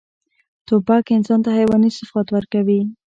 توپک انسان ته حیواني صفات ورکوي.